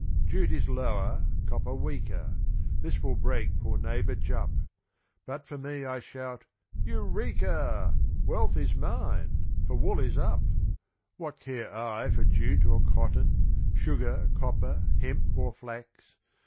"Jute is lower copper weaker," This will break poor neighbour Jupp; But for me, I shout "Eureka!" Wealth is mine for wool is up! What care I for jute or cotton, Sugar, copper, hemp, or flax!